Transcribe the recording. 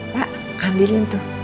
ya ambilin tuh